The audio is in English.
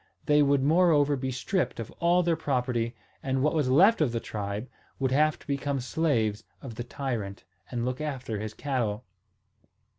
They would moreover be stripped of all their property, and what was left of the tribe would have to become slaves of the tyrant, and look after his cattle.